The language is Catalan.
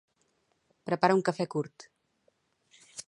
Prepara un cafè curt.